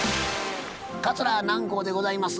桂南光でございます。